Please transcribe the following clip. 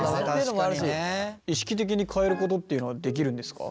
意識的に変えることっていうのはできるんですか？